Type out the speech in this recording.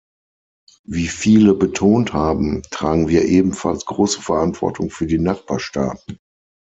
Wie viele betont haben, tragen wir ebenfalls große Verantwortung für die Nachbarstaaten.